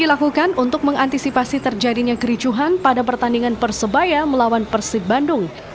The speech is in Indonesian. dilakukan untuk mengantisipasi terjadinya kericuhan pada pertandingan persebaya melawan persib bandung